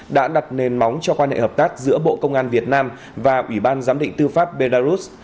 đã đặt nền móng cho quan hệ hợp tác giữa bộ công an việt nam và ủy ban giám định tư pháp belarus